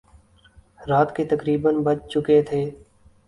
رات کے تقریبا بج چکے تھے